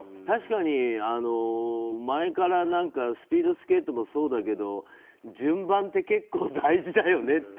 確かに前からスピードスケートもそうだけど順番って結構大事だよね